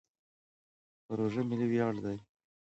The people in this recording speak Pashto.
پروژه ملي ویاړ دی.